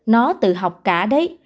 nó tự học cả đấy